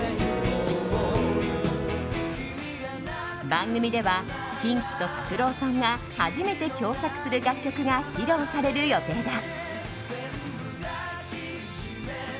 番組では、キンキと拓郎さんが初めて共作する楽曲が披露される予定だ。